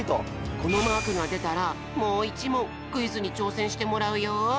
このマークがでたらもう１もんクイズにちょうせんしてもらうよ。